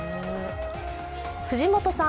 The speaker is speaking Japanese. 藤本さん